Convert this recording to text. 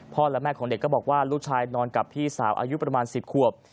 และแม่ของเด็กก็บอกว่าลูกชายนอนกับพี่สาวอายุประมาณ๑๐ขวบ